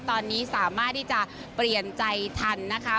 ตอนนี้สามารถที่จะเปลี่ยนใจทันนะคะ